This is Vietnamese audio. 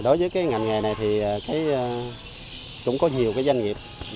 đối với cái ngành nghề này thì cũng có nhiều cái doanh nghiệp